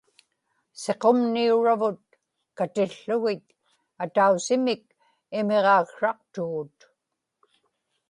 siqumniuravut katiłługit atausimik imiġaaksraqtugut